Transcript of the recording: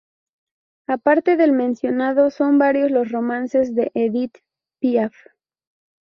Aparte del mencionado, son varios los romances de Édith Piaf.